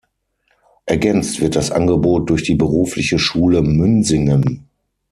Ergänzt wird das Angebot durch die Berufliche Schule Münsingen.